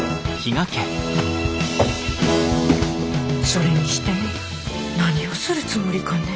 それにしても何をするつもりかね？